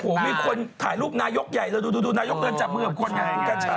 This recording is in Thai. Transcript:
โอ้โหมีคนถ่ายรูปนายกใหญ่ดูนายกเดินจากเมื่อก่อนไง